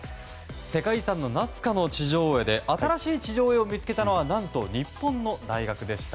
世界遺産のナスカの地上絵で新しい地上絵を見つけたのは何と日本の大学でした。